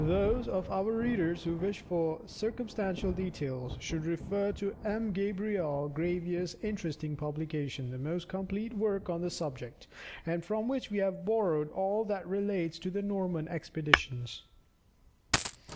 Those of our readers who wish for circumstantial details, should refer to M. Gabriel Gravier's interesting publication, the most complete work on the subject, and from which we have borrowed all that relates to the Norman expeditions.